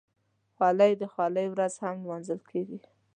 خولۍ د خولۍ ورځ هم لمانځل کېږي.